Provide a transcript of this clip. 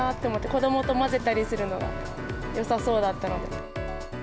子どもと混ぜたりするのが、よさそうだったので。